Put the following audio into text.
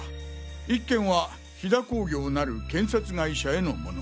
１件は火田興業なる建設会社へのもの。